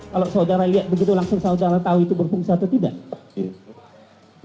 kalau saudara lihat begitu langsung saudara tahu itu berfungsi atau tidak